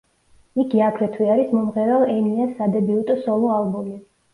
იგი აგრეთვე არის მომღერალ ენიას სადებიუტო სოლო ალბომი.